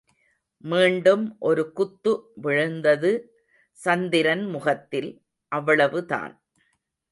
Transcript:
மீண்டும் ஒரு குத்து விழுந்தது சந்திரன் முகத்தில், அவ்வளவுதான்.